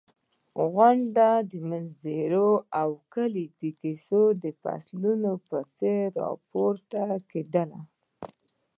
غونډۍ، منظرې او کلي د کیسو د فصلونو په څېر راپورته کېدل.